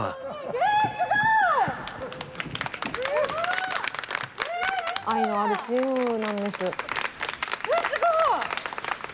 えっすごい。